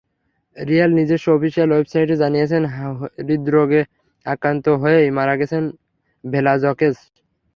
Real নিজস্ব official ওয়েবসাইটে জানিয়েছে, হৃদ্রোগে আক্রান্ত হয়েই মারা গেছেন ভেলাজকেজ।